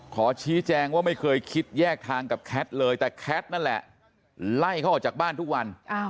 ขอชี้แจงว่าไม่เคยคิดแยกทางกับแคทเลยแต่แคทนั่นแหละไล่เขาออกจากบ้านทุกวัน